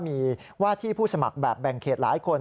มีว่าที่ผู้สมัครแบบแบ่งเขตหลายคน